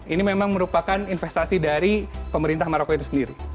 ini memang merupakan investasi dari pemerintah maroko itu sendiri